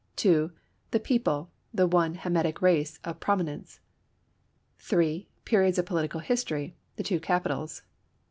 2. The people; the one Hamitic race of prominence. 3. Periods of political history; the two capitals.